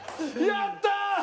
やったー！